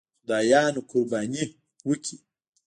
خدایانو قرباني وکړي.